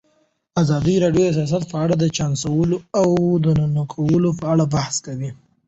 ازادي راډیو د سیاست په اړه د چانسونو او ننګونو په اړه بحث کړی.